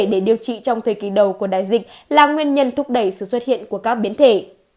để điều trị trong thời kỳ đầu của đại dịch là nguyên nhân thúc đẩy sự xuất hiện của các biến thể